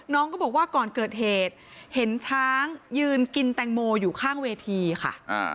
น้องก็บอกว่าก่อนเกิดเหตุเห็นช้างยืนกินแตงโมอยู่ข้างเวทีค่ะ